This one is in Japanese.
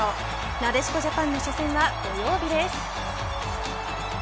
なでしこジャパンの初戦は土曜日です。